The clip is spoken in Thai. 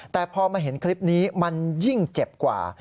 แต่พอมาเห็นคลิปนี้มันยิ่งเจ็บกว่า